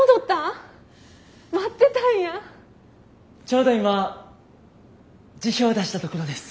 ちょうど今辞表出したところです。